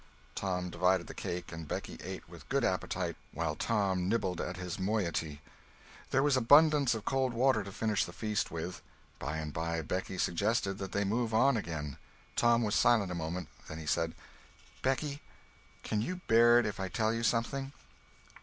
Tom divided the cake and Becky ate with good appetite, while Tom nibbled at his moiety. There was abundance of cold water to finish the feast with. By and by Becky suggested that they move on again. Tom was silent a moment. Then he said: "Becky, can you bear it if I tell you something?"